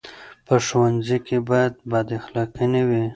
په ښوونځي کې باید بد اخلاقي نه وي.